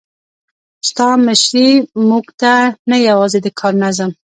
ستا مشري موږ ته نه یوازې د کار نظم،